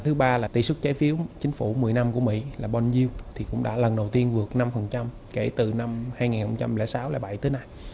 thứ ba là tỷ xuất trái phiếu chính phủ một mươi năm của mỹ là bond yield thì cũng đã lần đầu tiên vượt năm kể từ năm hai nghìn sáu hai nghìn bảy tới nay